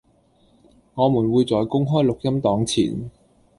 我們會在公開錄音檔前